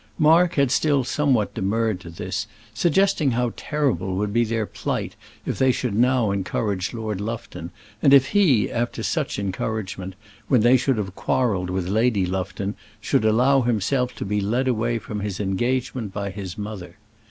Mark had still somewhat demurred to this, suggesting how terrible would be their plight if they should now encourage Lord Lufton, and if he, after such encouragement, when they should have quarrelled with Lady Lufton, should allow himself to be led away from his engagement by his mother.